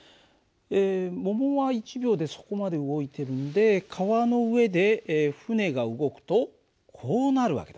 桃は１秒でそこまで動いてるんで川の上で船が動くとこうなる訳だね。